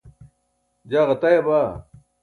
jaa ġataya baa